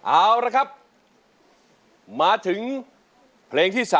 เอาละครับมาถึงเพลงที่๓